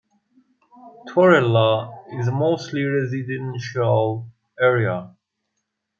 Turrella is a mostly residential area.